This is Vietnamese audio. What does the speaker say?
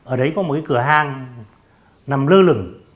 ở đấy có một cái cửa hàng nằm lơ lửng